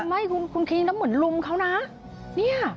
ไม่คุณคีย์แล้วเหมือนลุมเขานะเนี่ย